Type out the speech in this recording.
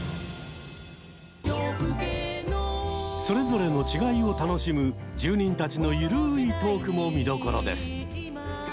それぞれの違いを楽しむ住人たちの緩いトークも見どころです。